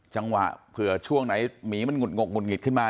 จังหวะเผื่อช่วงไหนหมีมันหุดหงกหุดหงิดขึ้นมา